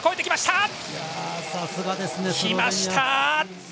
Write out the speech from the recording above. きました！